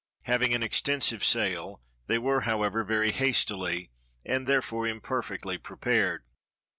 Having an extensive sale, they were, however, very hastily, and, therefore, imperfectly, prepared.